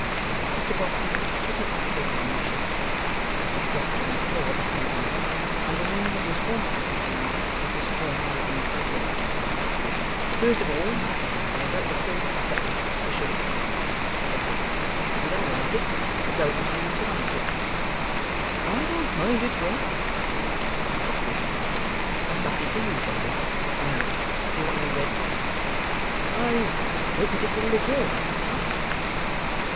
Mr Boffin shook it off with one shake, so that it dropped on the floor behind him, and remained in his former attitude with his former rueful look upon him. 'First of all, I'm a going to call you Boffin, for short,' said Wegg. 'If you don't like it, it's open to you to lump it.' 'I don't mind it, Wegg,' Mr Boffin replied. 'That's lucky for you, Boffin. Now, do you want to be read to?' 'I don't particularly care about it to night, Wegg.